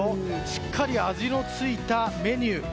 しっかり味のついたメニュー。